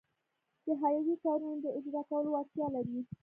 د حیوي کارونو د اجراکولو وړتیا لري.